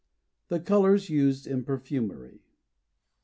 THE COLORS USED IN PERFUMERY.